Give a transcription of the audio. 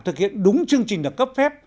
thực hiện đúng chương trình được cấp phép